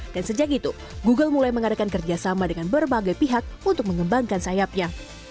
dan sejak itu google mulai mengadakan kerjasama dengan berbagai pihak untuk mengembangkan sayapnya